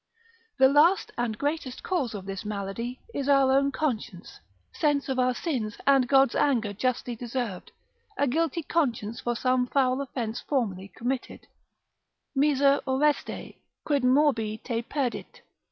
The last and greatest cause of this malady, is our own conscience, sense of our sins, and God's anger justly deserved, a guilty conscience for some foul offence formerly committed,—O miser Oreste, quid morbi te perdit?